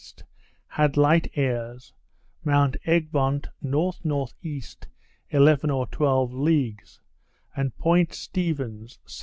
had light airs; Mount Egmont N.N.E. eleven or twelve leagues, and Point Stephens S.E.